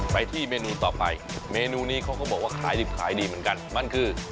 ไปที่เมนูต่อไปเมนูนี้เขาก็บอกว่าขายดิบขายดีเหมือนกันมันคือ